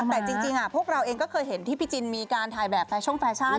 แต่จริงพวกเราเองก็เคยเห็นที่พี่จินมีการถ่ายแบบแฟชั่นแฟชั่น